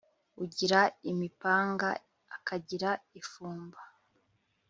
Ugira imipanga akagira ifumba